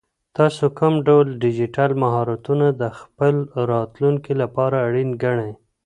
تاسو کوم ډول ډیجیټل مهارتونه د خپل راتلونکي لپاره اړین ګڼئ؟